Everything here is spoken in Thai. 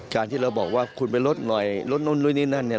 การที่เราบอกว่าคุณไปลดหน่อยลดนู่นนี่นั่นเนี่ย